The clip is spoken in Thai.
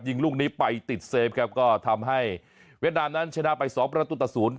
ยิงลูกนี้ไปติดเซฟครับก็ทำให้เวียดนามนั้นชนะไปสองประตูต่อศูนย์